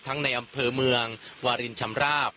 ตอนนี้ผมอยู่ในพื้นที่อำเภอโขงเจียมจังหวัดอุบลราชธานีนะครับ